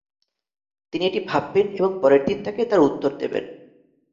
তিনি এটি ভাববেন এবং পরের দিন তাকে তার উত্তর দেবেন।